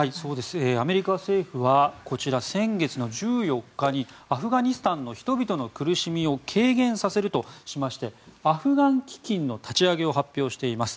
アメリカ政府はこちら先月１４日にアフガニスタンの人々の苦しみを軽減させるとしましてアフガン基金の立ち上げを発表しています。